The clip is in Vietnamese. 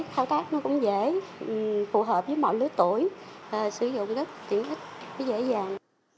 các thao tác nó cũng dễ phù hợp với mọi lứa tuổi sử dụng rất tiện ích dễ dàng